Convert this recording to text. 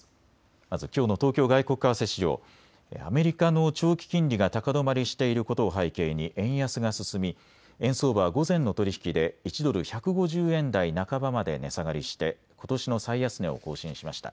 まずきょうの東京外国為替市場、アメリカの長期金利が高止まりしていることを背景に円安が進み、円相場は午前の取り引きで１ドル１５０円台半ばまで値下がりしてことしの最安値を更新しました。